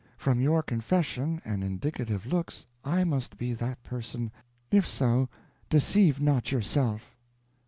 From your confession and indicative looks, I must be that person; if so deceive not yourself."